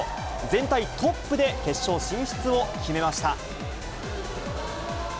全体トップで決勝進出を決めました。